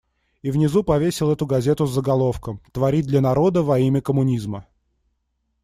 И внизу повесил эту газету с заголовком: «Творить для народа, во имя коммунизма».